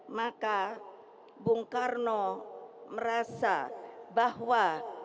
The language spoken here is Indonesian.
maka bung karno merasa bahwa